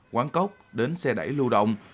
quán cốc đến xe đẩy lưu động